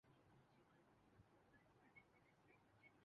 اسی بارے میں مزید پڑھیے